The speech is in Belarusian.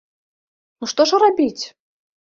Ну, што ж рабіць?